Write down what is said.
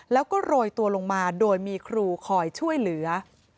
แล้วก็โรยตัวลงมาโดยมีครูคอยช่วยเหลือ